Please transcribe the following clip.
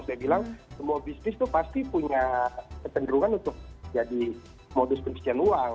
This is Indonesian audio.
saya bilang semua bisnis itu pasti punya kecenderungan untuk jadi modus pencucian uang